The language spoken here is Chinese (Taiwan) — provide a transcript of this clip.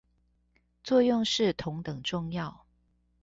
作用是同樣重要